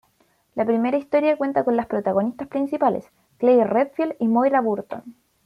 La primera historia cuenta con las protagonistas principales: Claire Redfield y Moira Burton.